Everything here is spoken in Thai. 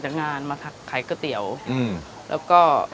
มีวันหยุดเอ่ออาทิตย์ที่สองของเดือนค่ะ